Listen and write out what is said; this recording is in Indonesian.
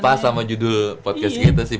pas sama judul podcast gitu sih